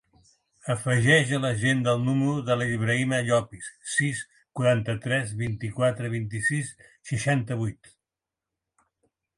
Afegeix a l'agenda el número de l'Ibrahima Llopis: sis, quaranta-tres, vint-i-quatre, vint-i-sis, seixanta-vuit.